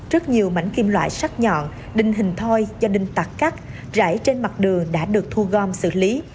rất nhiều mảnh kim loại sắt nhọn đinh hình thoi do đinh tặc cắt rải trên mặt đường đã được thu gom xử lý